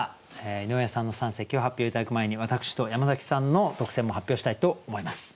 井上さんの三席を発表頂く前に私と山崎さんの特選も発表したいと思います。